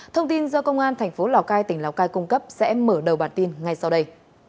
thông tin do công an thành phố lào cai tỉnh lào cai cung cấp sẽ mở đầu bản tin ngay sau đây